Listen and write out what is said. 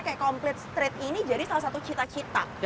kayak complete street ini jadi salah satu cita cita